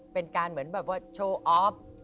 เป็นการเหมือนแบบว่าโชว์ออฟ